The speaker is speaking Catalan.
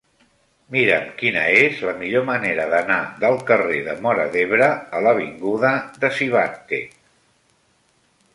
Mira'm quina és la millor manera d'anar del carrer de Móra d'Ebre a l'avinguda de Sivatte.